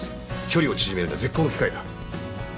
距離を縮めるには絶好の機会だ。